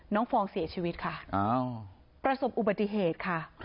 ฟองเสียชีวิตค่ะประสบอุบัติเหตุค่ะ